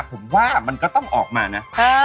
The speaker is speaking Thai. ผมว่ามันก็ต้องออกมานะ